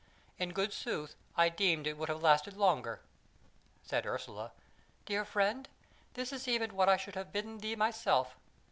In good sooth, I deemed it would have lasted longer." Said Ursula: "Dear friend, this is even what I should have bidden thee myself.